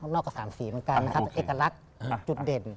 นอกก็๓สีเหมือนกันนะครับเอกลักษณ์จุดเด่น